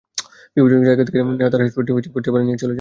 বিপজ্জনক জায়গা থেকে নেওয়া তাঁর হেডটি পোস্টের বাইরে দিয়ে চলে যায়।